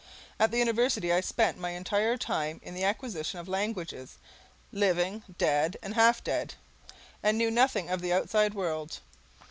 At the University I spent my entire time in the acquisition of languages, living, dead, and half dead, and knew nothing of the outside world.